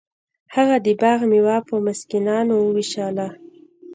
هغه د باغ میوه په مسکینانو ویشله.